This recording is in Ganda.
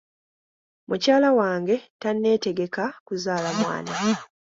Mukyala wange tanneetegeka kuzaala mwana.